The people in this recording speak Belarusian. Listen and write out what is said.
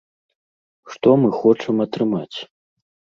Што мы хочам атрымаць?